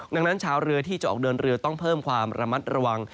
ดังนั้นชาวเรือที่จะออกเดินเรือต้องเพิ่มความระมัดระวัง